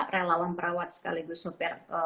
relawan perawat sekaligus sopir